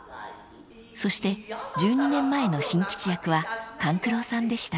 ［そして１２年前の新吉役は勘九郎さんでした］